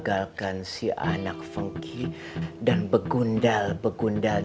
maaf karena tadi di dalam video aneh wo gonna bikin udah dua kali